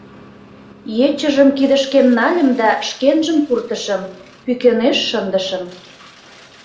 Ечыжым кидышкем нальым да шкенжым пуртышым, пӱкенеш шындышым.